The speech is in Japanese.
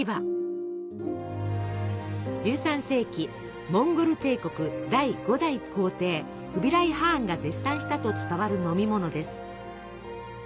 １３世紀モンゴル帝国第５代皇帝フビライ・ハーンが絶賛したと伝わる飲み物です。